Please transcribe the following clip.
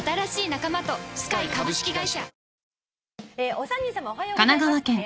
「お三人さまおはようございます。